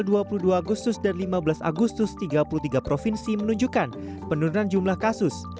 pada dua puluh dua agustus dan lima belas agustus tiga puluh tiga provinsi menunjukkan penurunan jumlah kasus